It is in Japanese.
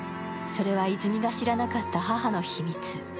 それは、泉が知らなかった母の秘密